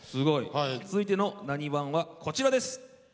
続いての「なにわん」はこちらです。